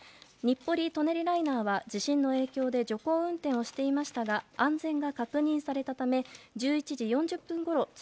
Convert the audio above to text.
日暮里・舎人ライナーは地震の影響で徐行運転をしていましたが安全が確認されたため１１時４０分ごろ